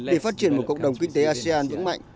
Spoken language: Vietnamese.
để phát triển một cộng đồng kinh tế asean vững mạnh